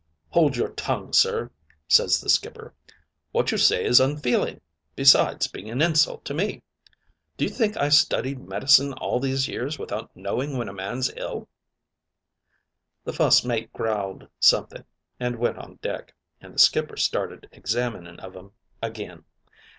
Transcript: "'Hold your tongue, sir,' ses the skipper; 'what you say is unfeeling, besides being an insult to me. Do you think I studied medicine all these years without knowing when a man's ill?' [Illustration: W. W. Jacobs] "The fust mate growled something, and went on deck, and the skipper started examining of 'em again.